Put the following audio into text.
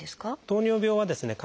糖尿病はですね